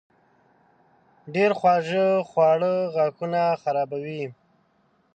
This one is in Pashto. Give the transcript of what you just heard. ډېر خواږه خواړه غاښونه خرابوي.